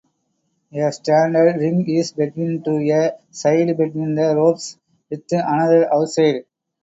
A standard ring is between to a side between the ropes with another outside.